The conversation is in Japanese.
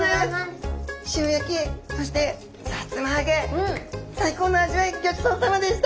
塩焼きそしてさつま揚げ最高の味わいギョちそうさまでした。